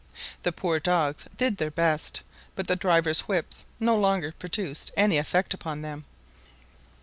The poor dogs did their best, but the drivers' whips no longer produced any effect upon them.